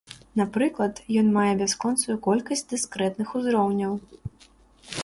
Напрыклад, ён мае бясконцую колькасць дыскрэтных узроўняў.